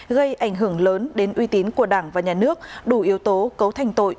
gây ảnh hưởng lớn đến uy tín của đảng và nhà nước đủ yếu tố cấu thành tội